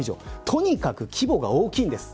とにかく規模が大きいんです。